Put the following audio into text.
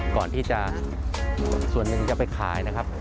ก่อนที่ส่วนหนึ่งจะไปขายนะครับ